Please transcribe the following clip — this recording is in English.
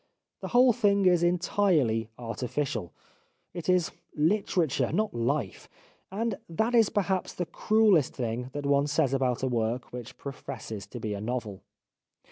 The whole thing is entirely artificial. It is literature, not life, and that is perhaps the cruellest thing that one says about a work which professes to be a novel.